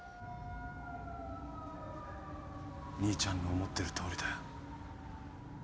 兄ちゃんの思ってるとおりだ。